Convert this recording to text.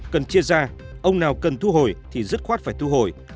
cần chia ra ông nào cần thu hồi thì dứt khoát phải thu hồi